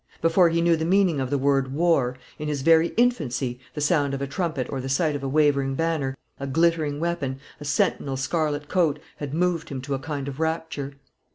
Before he knew the meaning of the word "war," in his very infancy, the sound of a trumpet or the sight of a waving banner, a glittering weapon, a sentinel's scarlet coat, had moved him to a kind of rapture.